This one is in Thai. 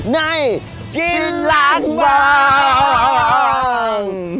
ในกินหลังบ้าง